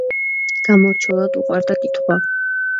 გამორჩეულად უყვარდა კითხვა.